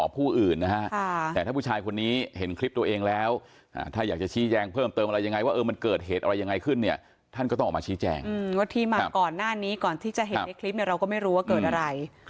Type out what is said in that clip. ผู้หญิงนะผู้หญิงแฟนเก่าเขาค่ะ